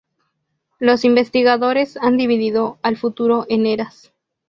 Los investigadores han dividido al futuro en Eras.